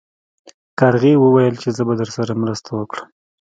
کارغې وویل چې زه به درسره مرسته وکړم.